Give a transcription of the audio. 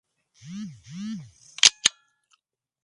En algunas grandes plantas de energía.